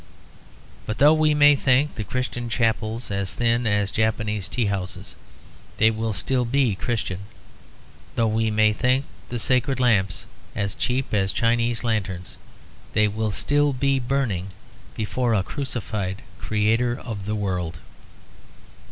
But though we may think the Christian chapels as thin as Japanese tea houses, they will still be Christian; though we may think the sacred lamps as cheap as Chinese lanterns, they will still be burning before a crucified creator of the world.